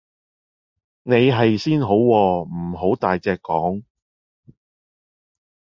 你係先好喎,唔好大隻講